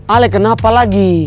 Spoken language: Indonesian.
ale kenapa lagi